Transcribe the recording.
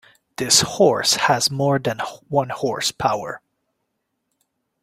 This horse has more than one horse power.